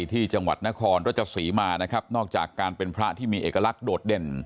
ที่จังหวัดนครรัชศรีมานะครับนอกจากการเป็นพระที่มีเอกลักษณ์โดดเด่น